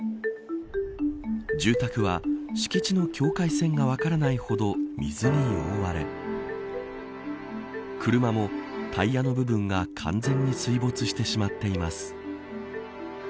住宅は、敷地の境界線が分からないほど水に覆われ車も、タイヤの部分が完全に水没してしまっています。